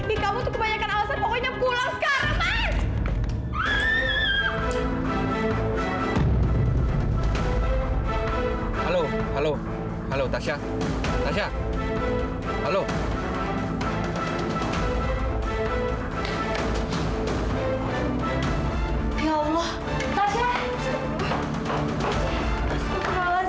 ini kamu tuh kebanyakan alasan pokoknya pulang sekarang mas